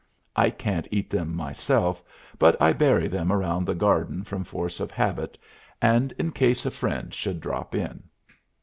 I can't eat them myself, but I bury them around the garden from force of habit and in case a friend should drop in.